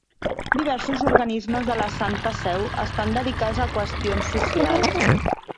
Diversos organismes de la Santa Seu estan dedicats a qüestions socials.